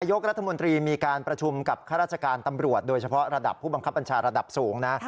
ยกรัฐมนตรีมีการประชุมกับข้าราชการตำรวจโดยเฉพาะระดับผู้บังคับบัญชาระดับสูงนะ